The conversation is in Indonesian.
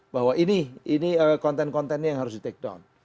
bahwa ini konten kontennya yang harus di take down